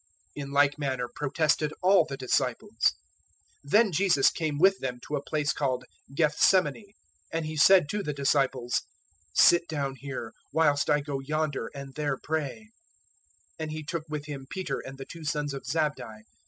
In like manner protested all the disciples. 026:036 Then Jesus came with them to a place called Gethsemane. And He said to the disciples, "Sit down here, whilst I go yonder and there pray." 026:037 And He took with Him Peter and the two sons of Zabdi.